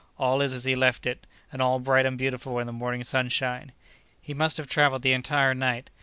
All is as he left it, and all bright and beautiful in the morning sunshine. He must have traveled the entire night.